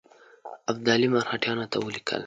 ابدالي مرهټیانو ته ولیکل.